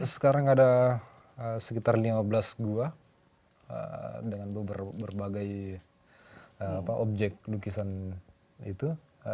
sekarang ada sekitar lima belas gua dengan berbagai objek lukisan itu